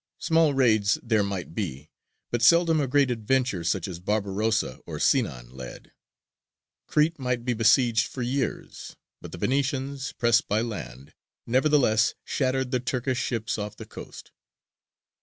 Small raids there might be, but seldom a great adventure such as Barbarossa or Sinān led. Crete might be besieged for years; but the Venetians, pressed by land, nevertheless shattered the Turkish ships off the coast.